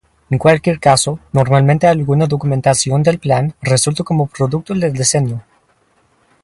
En cualquier caso, normalmente alguna documentación del plan resulta como producto del diseño.